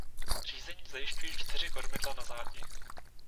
Řízení zajišťují čtyři kormidla na zádi.